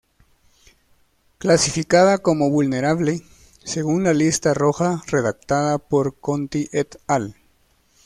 Clasificada como "Vulnerable" según la Lista Roja redactada por Conti et al.